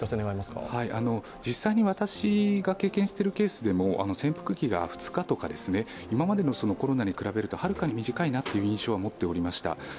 実際に私が経験しているケースでも潜伏期が２日とか、今までのコロナに比べるとはるかに短い印象を持っておりました。